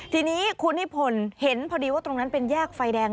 ทีนี้คุณนิพนธ์เห็นพอดีว่าตรงนั้นเป็นแยกไฟแดง